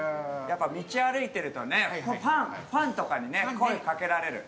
やっぱ道歩いてるとねファンとかに声掛けられる。